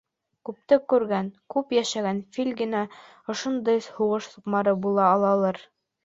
Күпте күргән, күп йәшәгән фил генә ошондай һуғыш суҡмары була алалыр.